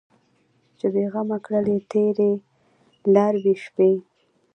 چې بې غمه کړلې تېرې لاروي شپې